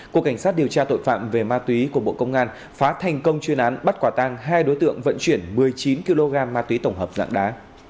cục cảnh sát điều tra tội phạm về ma túy của bộ công an phá thành công chuyên án bắt quả tang hai đối tượng vận chuyển một mươi chín kg ma túy tổng hợp dạng đá